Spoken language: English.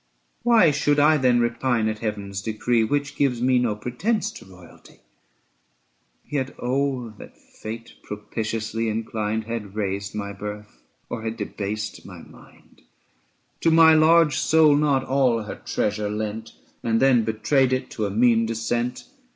360 Why should I then repine at Heaven's decree Which gives me no pretence to royalty? Yet oh that Fate, propitiously inclined, Had raised my birth or had debased my mind, To my large soul not all her treasure lent, 365 And then betrayed it to a mean descent